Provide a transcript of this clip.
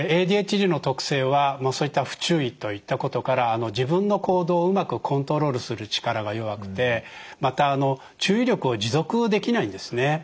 ＡＤＨＤの特性はそういった不注意といったことから自分の行動をうまくコントロールする力が弱くてまた注意力を持続できないんですね。